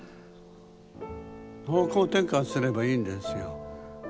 方向転換すればいいんですよ。